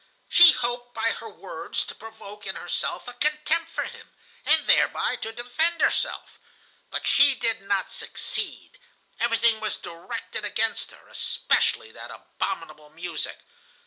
She hoped by her words to provoke in herself a contempt for him, and thereby to defend herself. But she did not succeed. Everything was directed against her, especially that abominable music.